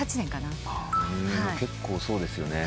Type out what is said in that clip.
結構そうですよね。